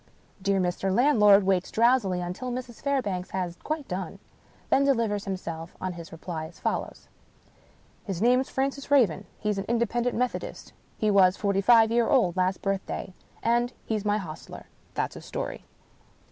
Dear Mr. Landlord waits drowsily until Mrs. Fairbank has quite done — then delivers himself of his reply as follows: " His name's Francis Raven. He's an Independent Methodist. He was forty five year old last birthday. And he's my hostler. That's his story."